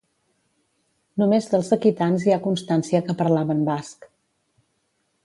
Només dels aquitans hi ha constància que parlaven basc.